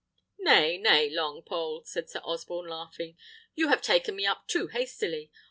"Nay, nay, Longpole!" said Sir Osborne, laughing; "you have taken me up too hastily.